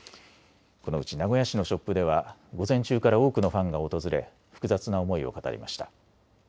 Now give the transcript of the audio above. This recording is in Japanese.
このうち名古屋市のショップでは午前中から多くのファンが訪れ複雑な思いを語りました。